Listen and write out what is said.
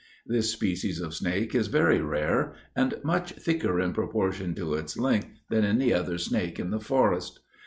This species of snake is very rare, and much thicker in proportion to its length than any other snake in the forest.